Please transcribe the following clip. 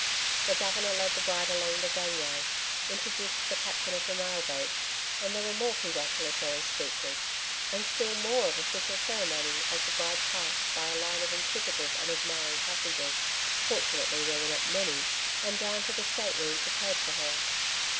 The Governor led the bride along the gangway, introduced the captain of the mail boat, and there were more congratulatory speeches, and still more of official ceremony as the bride passed by a line of inquisitive and admiring passengers fortunately there were not many and down to the state room prepared for her.